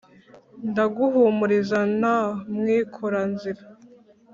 ndaguhumuriza na mwikora-nzira.